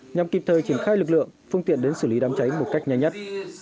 nhằm kịp thời triển khai lực lượng phương tiện đến xử lý đám cháy một cách nhanh nhất